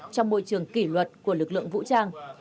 trong môi trường kỷ luật của lực lượng vũ trang